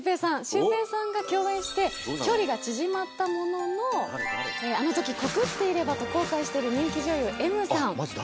シュウペイさんが共演して距離が縮まったもののあの時告っていればと後悔してる人気女優Ｍさん。